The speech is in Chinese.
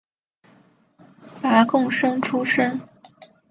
拔贡生出身。